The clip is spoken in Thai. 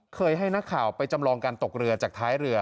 ให้นักข่าวไปจำลองการตกเรือจากท้ายเรือ